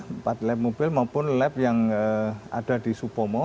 empat lab mobil maupun lab yang ada di supomo